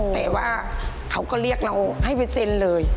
แต่ว่าเขาก็เรียกเราให้ไปเซ็นเลย